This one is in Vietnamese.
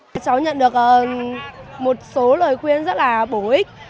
các cháu nhận được một số lời khuyên rất là bổ ích